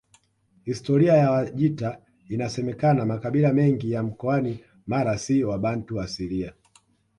Historia ya Wajita Inasemekana makabila mengi ya mkoani Mara si wabantu asilia